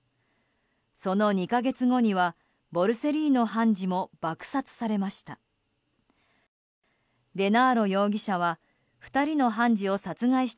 その２か月後にはボルセリーノ判事も爆殺されました。